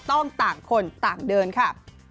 ต่างคนต่างเดินค่ะ